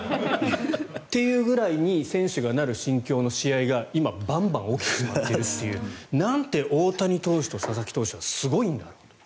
っていうぐらいに選手がなる心境の試合が今、バンバン起きているというなんて大谷投手と佐々木投手はすごいんだと。